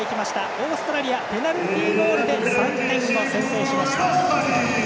オーストラリアペナルティゴールで３点を先制しました。